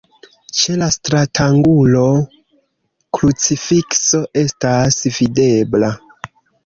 Ĉe la stratangulo krucifikso estas videbla.